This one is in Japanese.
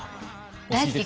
大好き。